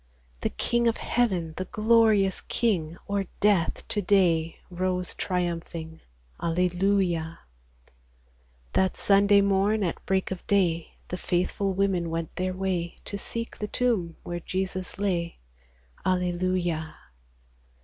The King of heaven, the glorious King, O'er death to day rose triumphing : Alleluia ! That Sunday morn, at break of day, The faithful women went their way To seek the tomb where Jesus lay. Alleluia